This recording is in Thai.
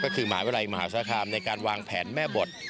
ก็คือหมาวิรัยมหาวิทยาลัยสาธารณ์ในการวางแผนแม่บท